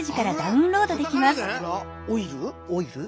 オイル？